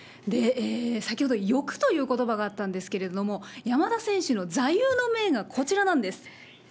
先ほど、欲ということばがあったんですけれども、山田選手の座右の銘がこちらなんです。